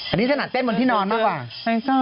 อันนี้ถนัดเต้นบนที่นอนมากกว่า